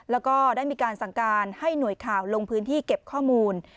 แล้วก็ได้มีการสั่งการให้หน่วยข่าวลงพื้นที่เก็บข้อมูล